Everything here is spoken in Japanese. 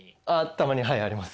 たまにはいあります。